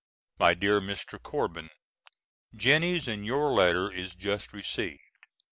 MY DEAR MR. CORBIN: Jennie's and your letter is just received.